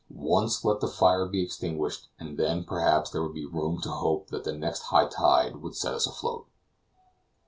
Once let the fire be extinguished, and then, perhaps, there would be room to hope that the next high tide would set us afloat.